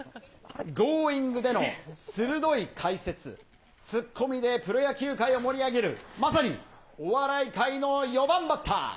Ｇｏｉｎｇ！での鋭い解説、ツッコミでプロ野球界を盛り上げるまさにお笑い界の４番バッター。